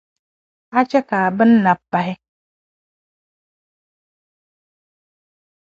a chɛ ka a buni nabi pahi.